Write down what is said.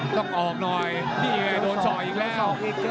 ต้องออกหน่อยนี่ไงโดนส่ออีกแล้ว